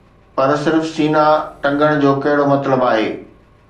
پر صرف سينه ٽنگڻ جو ڪهڙو مطلب آهي؟